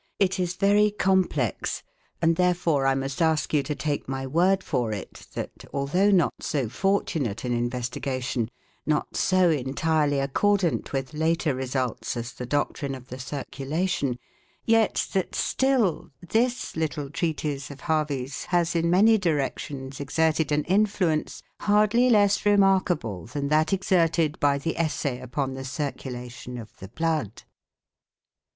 It is very complex, and therefore I must ask you to take my word for it that, although not so fortunate an investigation, not so entirely accordant with later results as the doctrine of the circulation; yet that still, this little treatise of Harvey's has in many directions exerted an influence hardly less remarkable than that exerted by the Essay upon the Circulation of the Blood.